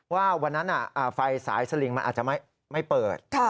ว่าวันนั้นไฟสายสลิงมันอาจจะไม่เปิด